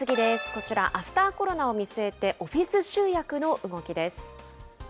こちら、アフターコロナを見据えて、オフィス集約の動きです。